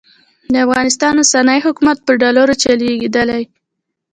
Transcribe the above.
د افغانستان اوسنی حکومت په ډالرو چلېدلی.